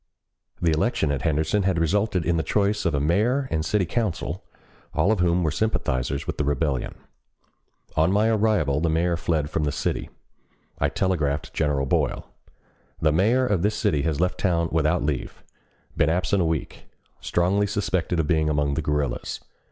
The election at Henderson had resulted in the choice of a mayor and city council, all of whom were sympathizers with the rebellion. On my arrival the mayor fled from the city. I telegraphed General Boyle: "The mayor of this city has left town without leave. Been absent a week. Strongly suspected of being among the guerrillas.